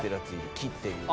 「騎」っていう。